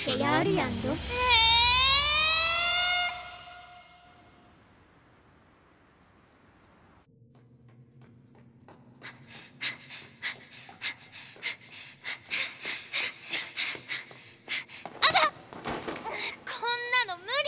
んっこんなの無理！